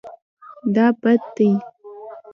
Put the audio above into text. دا بد دی